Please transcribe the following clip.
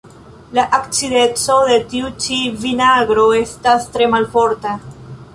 La acideco de tiu ĉi vinagro estas tre malforta.